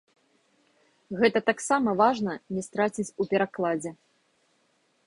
Гэта таксама важна не страціць у перакладзе.